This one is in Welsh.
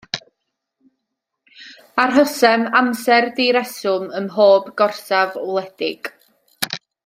Arhosem amser direswm ym mhob gorsaf wledig.